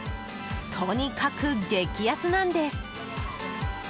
とにかく激安なんです。